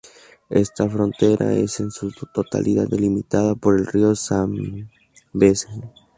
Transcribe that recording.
Esta frontera es en su totalidad delimitada por el río Zambeze.